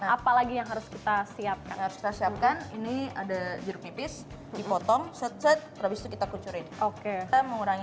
apalagi yang harus kita siapkan harus kita siapkan